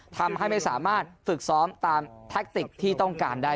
ทำให้ไม่สามารถฝึกซ้อมตามแทคติกที่ต้องการได้